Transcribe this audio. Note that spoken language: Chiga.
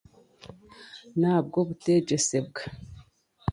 N'ahabw'obuteegyesebwa.